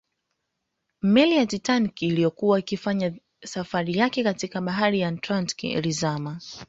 Meli ya Titanic iliyokuwa ikifanya safari zake katika bahari ya Atlantic ilizama